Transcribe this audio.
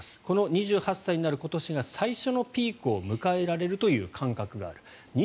この２８歳になる今年が最初のピークを迎えられるという感覚がある。